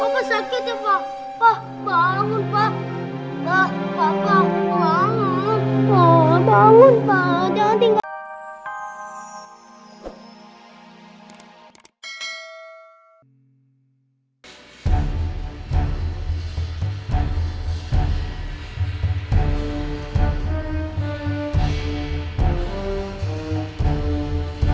bangun bangun jangan tinggalin sakit